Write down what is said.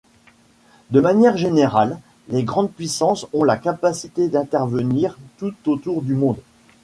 De manière générale, les grandes puissances ont la capacité d'intervenir tout autour du monde.